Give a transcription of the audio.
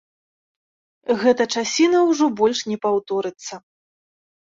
Гэта часіна ўжо больш не паўторыцца.